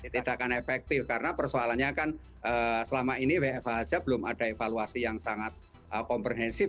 tidak akan efektif karena persoalannya kan selama ini wfh saja belum ada evaluasi yang sangat komprehensif